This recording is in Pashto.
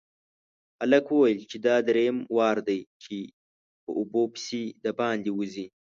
هلک وويل چې دا دريم وار دی چې په اوبو پسې د باندې وځي.